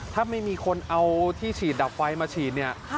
ถ้าไม่มีคนเอาที่ฉีดดับไฟมาฉีดเนี่ย